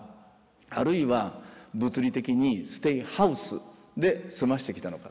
あるいは物理的にステイハウスで済ませてきたのか。